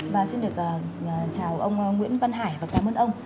và xin được chào ông nguyễn văn hải và cảm ơn ông